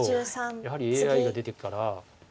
やはりＡＩが出てから。